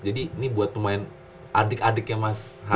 jadi ini buat pemain adik adiknya mas hari